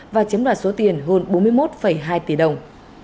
và chiếm đoạt số tiền hơn bốn mươi một hai tỷ đồng